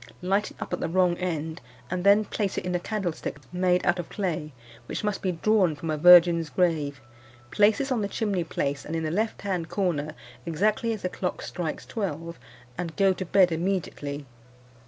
Light it up at the wrong end, and then place it in a candlestick made out of clay, which must be drawn from a virgin's grave. Place this on the chimney place, in the left hand corner, exactly as the clock strikes twelve, and go to bed immediately.